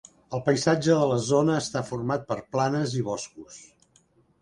El paisatge de la zona està format per planes i boscos.